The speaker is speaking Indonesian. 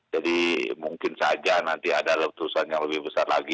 jadi mungkin saja nanti ada letupan yang lebih besar lagi